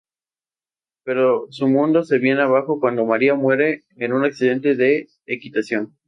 Pero su mundo se viene abajo cuando María muere en un accidente de equitación.